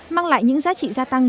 mang lại những giá trị gia tăng